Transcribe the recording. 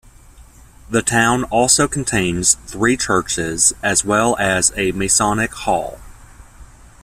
The town also contains three churches, as well as a Masonic Hall.